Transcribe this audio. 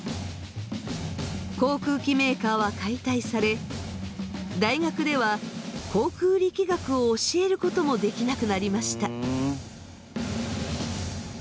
航空機メーカーは解体され大学では航空力学を教えることもできなくなりました。